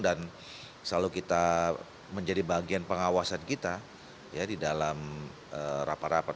dan selalu kita menjadi bagian pengawasan kita di dalam rapat rapat